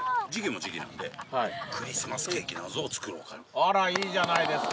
あらいいじゃないですか。